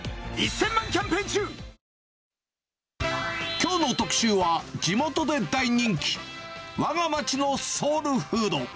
きょうの特集は、地元で大人気、わが町のソウルフード。